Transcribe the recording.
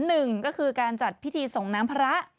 หนึ่งก็คือการจัดพิธีส่งน้ำพระ